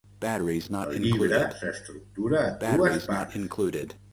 El llibre s’estructura en dues parts.